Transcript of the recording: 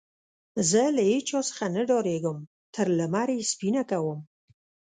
زه له هيچا څخه نه ډارېږم؛ تر لمر يې سپينه کوم.